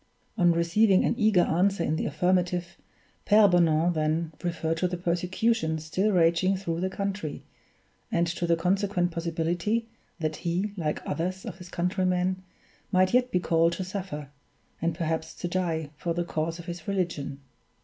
On receiving an eager answer in the affirmative, Pere Bonan then referred to the persecution still raging through the country, and to the consequent possibility that he, like others of his countrymen, might yet be called to suffer, and perhaps to die, for the cause of his religion.